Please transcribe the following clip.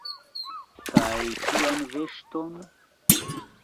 Kaj kian veŝton?